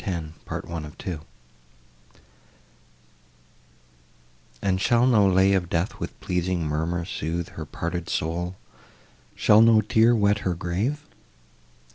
CHAPTER X And shall no lay of death With pleasing murmur sooth Her parted soul? Shall no tear wet her grave?